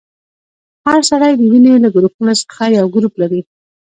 هر سړی د وینې له ګروپونو څخه یو ګروپ لري.